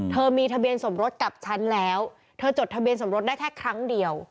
เธอมีทะเบียนสมรสกับฉันแล้วเธอจดทะเบียนสมรสได้แค่ครั้งเดียว